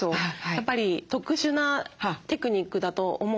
やっぱり特殊なテクニックだと思うので。